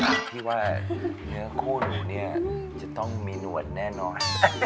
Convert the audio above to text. พี่ว่าเนื้อคู่หนูเนี่ยจะต้องมีหลวนแน่นอน